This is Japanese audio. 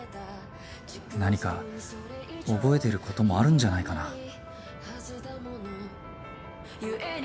何か覚えてることもあるんじゃないかな。